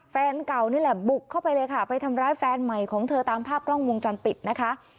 แฟนเก่านี่แหละบุกเข้าไปเลยค่ะไปทำร้ายแฟนใหม่ของเธอตามภาพกล้องวงจรปิดนะคะ